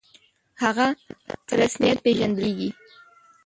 «هغه» په رسمیت پېژندل کېږي.